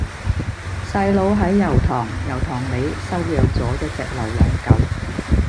細佬喺油塘油塘里收養左一隻流浪狗